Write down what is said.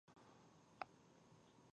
باندې د پې اي چ ډي سند تر السه کړو ۔